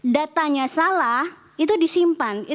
datanya salah itu disimpan